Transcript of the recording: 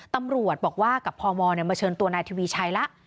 ตำรวจบอกว่ากับพมมาเชิญตัวนายทวีชัยแล้ว